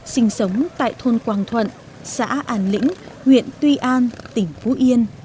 sinh sống tại thôn quảng thuận xã ản lĩnh huyện tuy an tỉnh phú yên